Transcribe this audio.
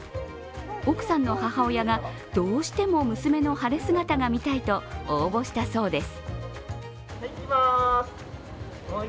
奥さんの母親がどうしても娘の晴れ姿が見たいと応募したそうです。